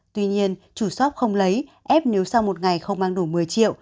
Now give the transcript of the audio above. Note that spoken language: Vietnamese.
tuy nhiên chủ shop không lấy ép nếu sau một ngày không mang đủ một mươi triệu